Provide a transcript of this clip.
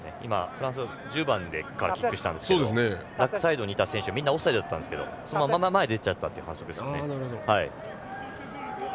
フランスは１０番がキックしたんですけどバックサイドにいた選手がみんなオフサイドだったんですが前に出ちゃったという反則ですね。